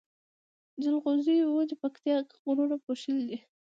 جلغوزيو ونی پکتيا غرونو پوښلي دی